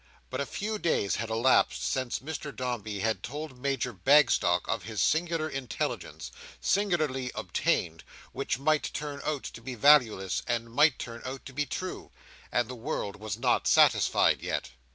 But a few days had elapsed since Mr Dombey had told Major Bagstock of his singular intelligence, singularly obtained, which might turn out to be valueless, and might turn out to be true; and the world was not satisfied yet.